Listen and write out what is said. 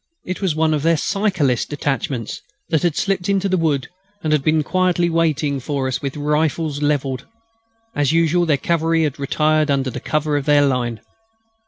It was one of their cyclist detachments that had slipped into the wood and had been quietly waiting for us with rifles levelled. As usual, their cavalry had retired under cover of their line.